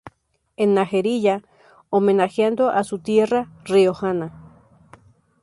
El Najerilla", homenajeando a su tierra riojana.